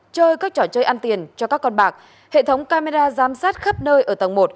chơi các trò chơi ăn tiền cho các con bạc hệ thống camera giám sát khắp nơi ở tầng một